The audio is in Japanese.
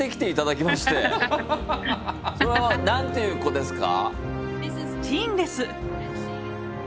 それは何ていう子ですか？